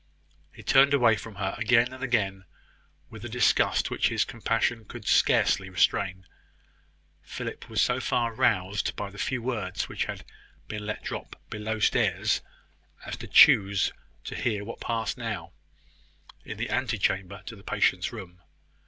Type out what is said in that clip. He turned away from her, again and again, with a disgust which his compassion could scarcely restrain. Philip was so far roused by the few words which had been let drop below stairs, as to choose to hear what passed now, in the antechamber to the patient's room.